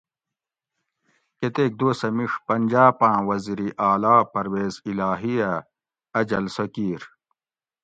کتیک دوسہۤ میڛ پنجاپاۤں وزیر اعلیٰ پرویز الٰہی اۤ اۤ جلسہ کیر